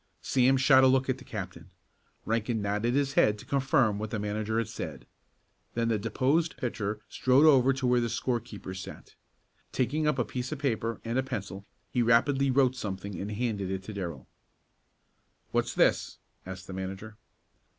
Sam shot a look at the captain. Rankin nodded his head to confirm what the manager had said. Then the deposed pitcher strode over to where the score keepers sat. Taking up a piece of paper and a pencil he rapidly wrote something and handed it to Darrell. "What's this?" asked the manager.